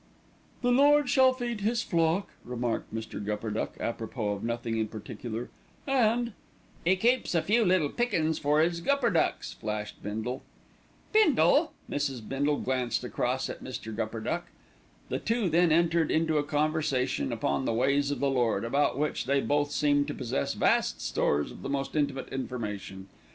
"The Lord shall feed his flock," remarked Mr. Gupperduck apropos of nothing in particular, "and " "'E keeps a few little pickin's for 'Is Gupperducks," flashed Bindle. "Bindle!" Mrs. Bindle glanced across at Mr. Gupperduck. The two then entered into a conversation upon the ways of the Lord, about which they both seemed to possess vast stores of the most intimate information.